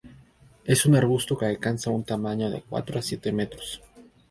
Es un arbusto que alcanza un tamaño de cuatro a siete metros.